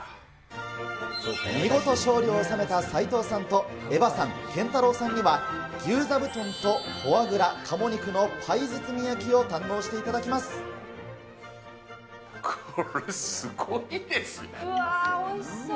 見事、勝利を収めた斉藤さんとエヴァさん、ケンタロウさんには、牛ザブトンとフォアグラ・鴨肉のパイ包み焼きを堪能していただきこれ、うわー、おいしそう。